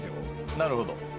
なるほど。